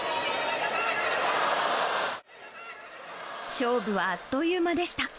勝負はあっという間でした。